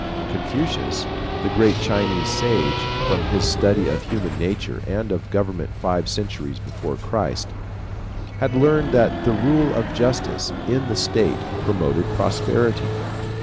Confucius, the great Chinese sage, from his study of human nature and of government five centuries before Christ, had learned that the rule of justice in the state promoted prosperity.